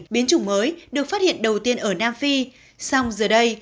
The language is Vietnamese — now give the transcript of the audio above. biến chủng mới được phát hiện đầu tiên ở nam phi song giờ đây